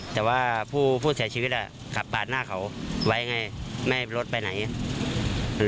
แต่ว่าผู้เสียชีวิตขับปาดหน้าเขาไว้ไงไม่ให้รถไปไหน